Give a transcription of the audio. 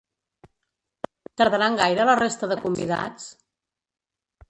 Tardaran gaire la resta de convidats?